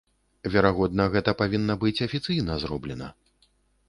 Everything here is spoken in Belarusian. Верагодна, гэта павінна быць афіцыйна зроблена.